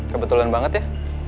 kebetulan banget ya